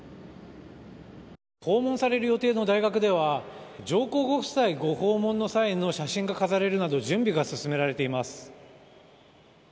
訪問される予定の大学では上皇ご夫妻ご訪問の際の写真が飾られるなど準備が進められています。